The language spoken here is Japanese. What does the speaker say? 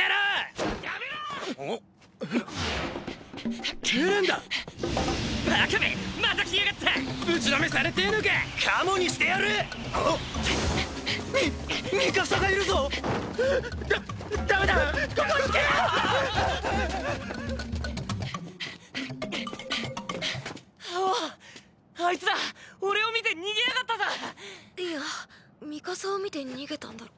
いやミカサを見て逃げたんだろ。